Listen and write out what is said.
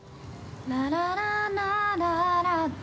ララララララッラ